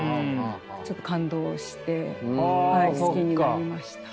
ちょっと感動して好きになりました。